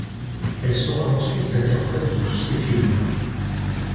Elle sera ensuite l'interprète de tous ses films.